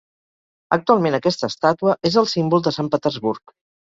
Actualment aquesta estàtua és el símbol de Sant Petersburg.